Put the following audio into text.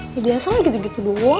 ya biasa lah gitu gitu doon